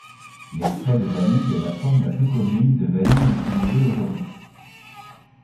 L'extrait de vanille est la forme la plus commune de vanille utilisée aujourd'hui.